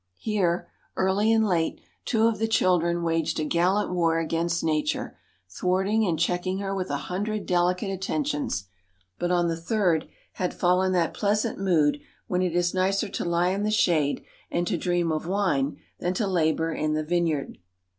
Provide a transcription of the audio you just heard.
Here, early and late, two of the children waged a gallant war against Nature, thwarting and checking her with a hundred delicate attentions ; but on the third had fallen that pleasant mood when it is nicer to lie in the shade and to dream of wine than to labour in the vine yard.